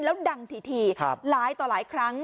แล้วดังถี่หลายต่อหลายครั้ง